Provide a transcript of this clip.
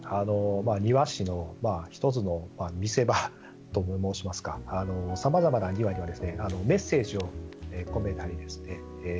庭師の１つの見せ場と申しますかさまざまな庭にはメッセージを込めたりとかですね